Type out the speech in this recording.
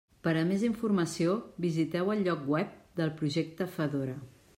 Per a més informació, visiteu el lloc web del projecte Fedora.